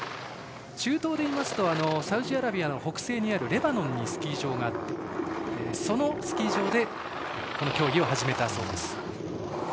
中東でいいますとサウジアラビアの北西にあるレバノンにスキー場があってそのスキー場でこの競技を始めたそうです。